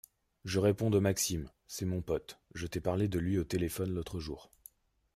Je réponds de Maxime, c’est mon pote, je t’ai parlé de lui au téléphone l’autre jour.